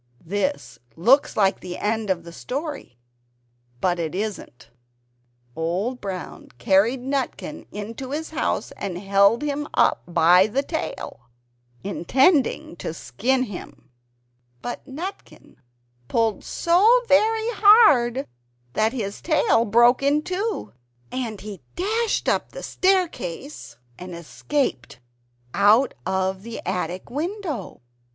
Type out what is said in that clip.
This looks like the end of the story; but it isn't. Old Brown carried Nutkin into his house, and held him up by the tail, intending to skin him; but Nutkin pulled so very hard that his tail broke in two, and he dashed up the staircase, and escaped out of the attic window.